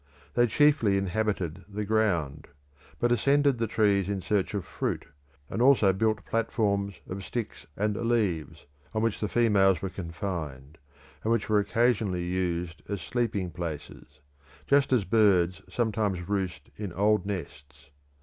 They chiefly inhabited the ground, but ascended the trees in search of fruit, and also built platforms of sticks and leaves, on which the females were confined, and which were occasionally used as sleeping places, just as birds sometimes roost in old nests.